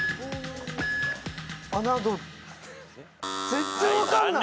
全然分かんない。